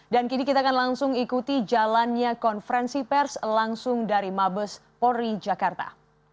dan kini kita akan langsung ikuti jalannya konferensi pers langsung dari mabes polri jakarta